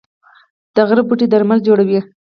د غره بوټي درمل جوړوي